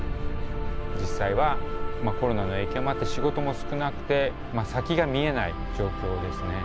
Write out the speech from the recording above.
実際はコロナの影響もあって仕事も少なくて先が見えない状況ですね。